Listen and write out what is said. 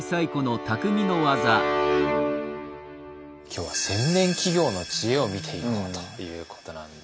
今日は千年企業の知恵を見ていこうということなんですね。